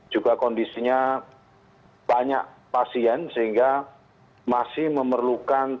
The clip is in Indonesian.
juga kondisinya banyak pasien sehingga masih memerlukan